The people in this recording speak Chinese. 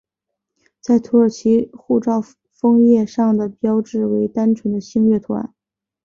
在土耳其护照封页上的标志为单纯的星月图案。